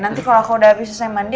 nanti kalau aku udah habis selesai mandi